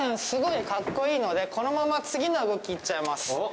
すごいカッコイイのでこのまま次の動きいっちゃいます。